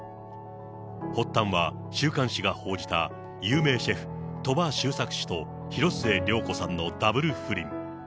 発端は週刊誌が報じた有名シェフ、鳥羽周作氏と広末涼子さんのダブル不倫。